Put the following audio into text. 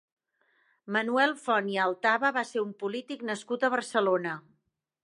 Manuel Font i Altaba va ser un polític nascut a Barcelona.